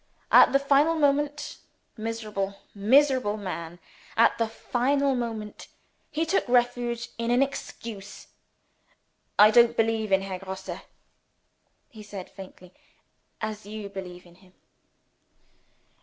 At the final moment miserable, miserable man! at the final moment, he took refuge in an excuse. "I don't believe in Herr Grosse," he said faintly, "as you believe in him."